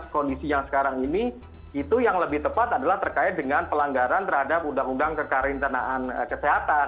kondisi yang sekarang ini itu yang lebih tepat adalah terkait dengan pelanggaran terhadap undang undang kekarantanaan kesehatan